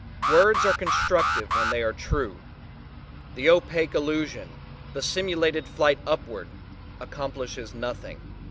Words are constructive when they are true; the opaque allusion the simulated flight upward accomplishes nothing.